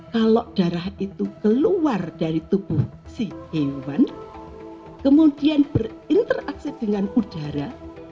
kalau darah itu keluar dari tubuh si hewan kemudian berinteraksi dengan udara